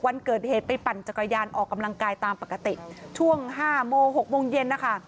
วันเกิดเหตุไปปั่นจักรยานออกกำลังกายตามปกติช่วง๕โมง๖โมงเย็นนะคะ